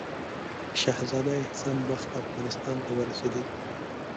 شهزاده احسان بخت افغانستان ته ورسېدی.